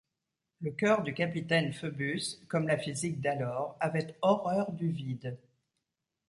Le cœur du capitaine Phœbus, comme la physique d’alors, avait horreur du vide.